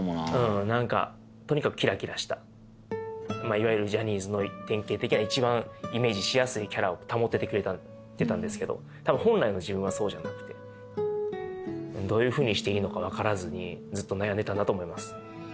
いわゆるジャニーズの典型的な一番イメージしやすいキャラを保っててくれてたんですけど本来の自分はそうじゃなくてどうしていいのか分からずにずっと悩んでたんだと思います。